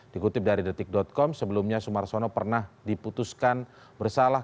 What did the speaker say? dikutip dari detik com sebelumnya sumarsono pernah diputuskan bersalah